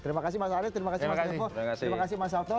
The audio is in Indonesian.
terima kasih mas arief terima kasih mas depo terima kasih mas sato